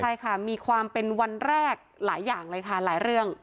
ใช่ค่ะมีความเป็นวันแรกหลายอย่างเลยค่ะหลายเรื่อง